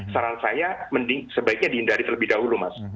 saran saya sebaiknya dihindari terlebih dahulu mas